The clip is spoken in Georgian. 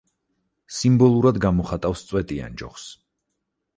სიმბოლურად გამოხატავს წვეტიან ჯოხს.